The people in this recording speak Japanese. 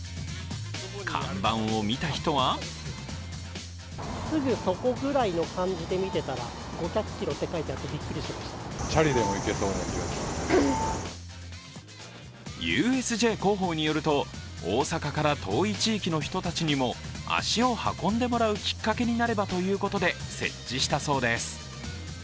看板を見た人はＵＳＪ広報によると、大阪から遠い地域の人たちにも足を運んでもらうきっかけになればということで設置したそうです。